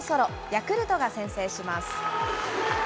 ヤクルトが先制します。